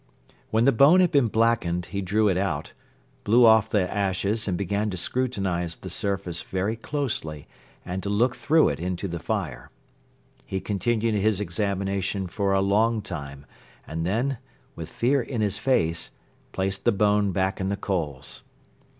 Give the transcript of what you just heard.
When the bone had been blackened he drew it out, blew off the ashes and began to scrutinize the surface very closely and to look through it into the fire. He continued his examination for a long time and then, with fear in his face, placed the bone back in the coals.